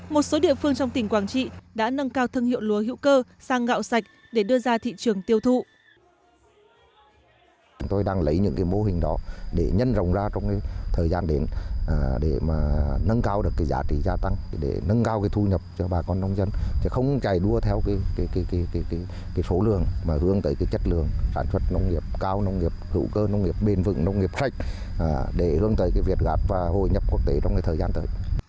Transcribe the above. một số địa phương trong tỉnh quảng trị đã nâng cao thân hiệu lúa hữu cơ sang gạo sạch để đưa ra thị trường tiêu thụ